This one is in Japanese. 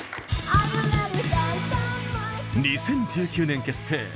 ２０１９年結成。